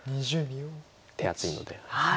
手厚いので。